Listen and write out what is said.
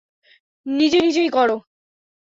নিজে নিজেই কর।